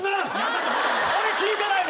俺聞いてないもん！